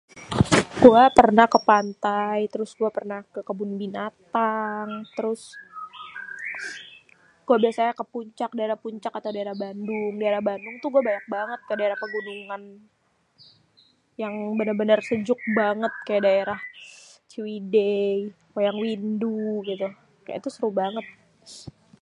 Gua pernah kepantai, terus gua pernah kekebun binatang, terus gua biasanya ke puncak daerah puncak atau daerah bandung, daerah Bandung tuh gua banyak banget kedaerah pegunungan yang bènèr-bènèr sejuk banget kaya daerah ciwidey, wayang windu gitu. itu seru banget.